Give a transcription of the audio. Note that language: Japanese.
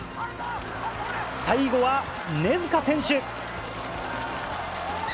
最後は根塚選手。